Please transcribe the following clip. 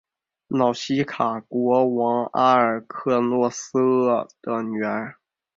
瑙西卡的国王阿尔喀诺俄斯的女儿。